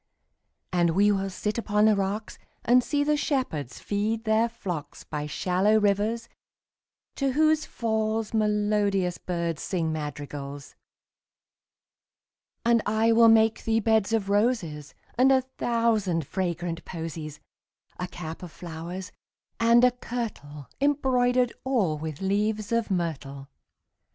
And we will sit upon the rocks, 5 And see the shepherds feed their flocks By shallow rivers, to whose falls Melodious birds sing madrigals. And I will make thee beds of roses And a thousand fragrant posies; 10 A cap of flowers, and a kirtle Embroider'd all with leaves of myrtle.